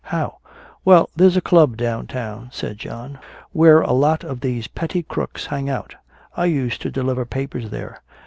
"How?" "Well, there's a club downtown," said John, "where a lot of these petty crooks hang out. I used to deliver papers there.